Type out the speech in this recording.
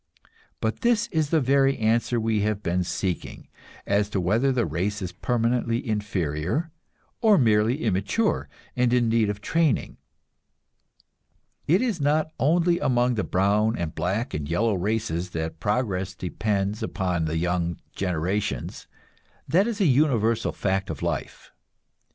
But this is the very answer we have been seeking as to whether the race is permanently inferior, or merely immature and in need of training. It is not only among the brown and black and yellow races that progress depends upon the young generations; that is a universal fact of life.